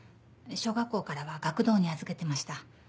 小学校からは学童に預けてました。